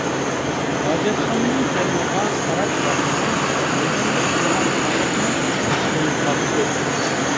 ھاجەتخانىنىڭ تېمىغا قاراپ باقسام لېگەندەك يوغان سائەتمۇ ئېسىپ قويۇلماپتۇ.